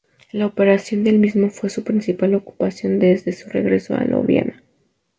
La preparación del mismo fue su principal ocupación desde su regreso a Lovaina.